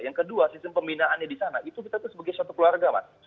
yang kedua sistem pembinaannya di sana itu kita tuh sebagai suatu keluarga mas